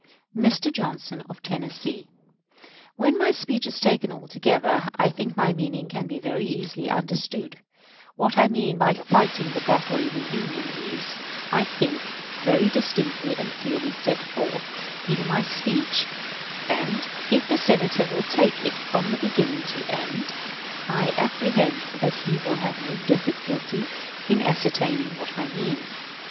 Mr. Johnson, of Tennessee: When my speech is taken altogether, I think my meaning can be very easily understood. What I mean by fighting the battle in the Union is, I think, very distinctly and clearly set forth in my speech; and, if the Senator will take it from beginning to end, I apprehend that he will have no difficulty in ascertaining what I meant.